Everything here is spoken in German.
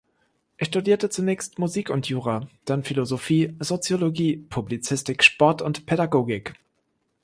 Er studierte zunächst Musik und Jura, dann Philosophie, Soziologie, Publizistik, Sport und Pädagogik.